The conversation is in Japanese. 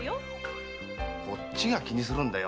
こっちが気にするんだよ。